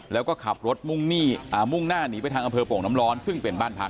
แล้วก็ขับรถมุ่งหน้าหนีไปทางอำเภอโป่งน้ำร้อนซึ่งเป็นบ้านพัก